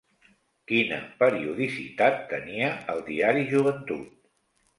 Quina periodicitat tenia el diari Joventut?